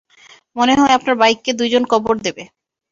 মনে হয় আপনার বাইককে দুইজন কবর দেবে।